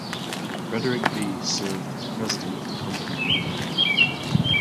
Frederick Bee served as president of the company.